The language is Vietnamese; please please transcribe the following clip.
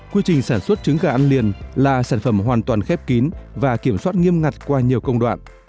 quy trình sản xuất trứng gà ăn liền là sản phẩm hoàn toàn khép kín và kiểm soát nghiêm ngặt qua nhiều công đoạn